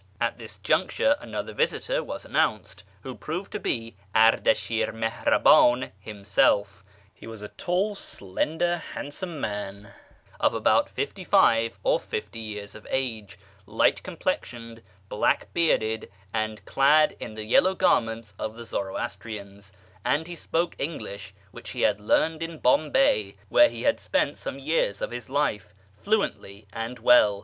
At this juncture another visitor was announced, who proved to be Ardashir Mihrabcin himself. He was a tall, slender, handsome man, of about forty five or fifty years of age, light complexioned, black bearded, and clad in the yellow garments of the Zoroastrians ; and he spoke English (which he had learned in Bombay, where he had spent some years of his life) fluently and well.